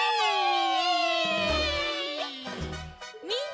みんな！